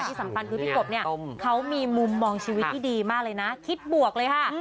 ที่สำคัญคือพี่กบเนี่ยเขามีมุมมองชีวิตที่ดีมากเลยนะคิดบวกเลยค่ะ